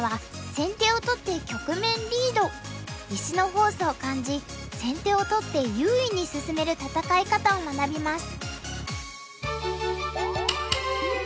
石のフォースを感じ先手を取って優位に進める戦い方を学びます。